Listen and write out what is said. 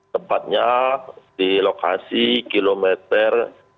sempatnya di lokasi kilometer satu ratus delapan puluh satu